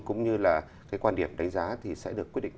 cũng như là cái quan điểm đánh giá thì sẽ được quyết định